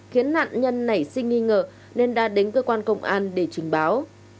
khiến nạn nhân nảy sinh nghi ngờ nên đã đến cơ quan công an để trình báo